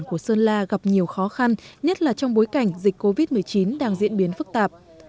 của sơn la gặp nhiều khó khăn nhất là trong bối cảnh dịch covid một mươi chín đang diễn biến phức tạp